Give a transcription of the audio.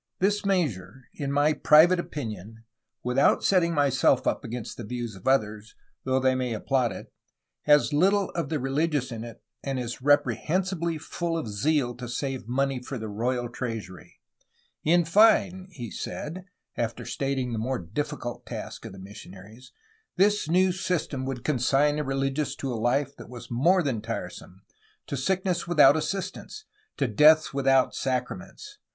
This measure, in my private opinion, without setting myself up against the views of others, though they may ap plaud it, has little of the religious in it, and is reprehensibly full of zeal to save money for the royal treasury ... In fine," he said, after stating the difficult task of the missionaries, "this [new] system would consign a religious to a life that was more than tire some, to sickness without assistance, and death without sacra ments